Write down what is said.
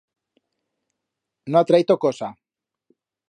No ha traito cosa.